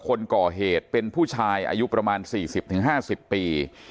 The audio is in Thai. คนก่อเหตุเป็นผู้ชายอายุประมาณ๔๐๕๐ปี